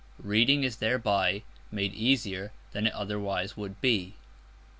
Reading is thereby made easier than it otherwise would be.